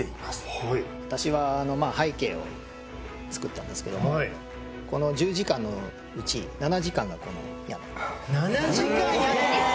はい私はあのまあ背景を作ったんですけどもこの１０時間のうち７時間がこの屋根７時間屋根！